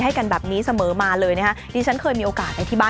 ให้กันแบบนี้เสมอมาเลยนะคะ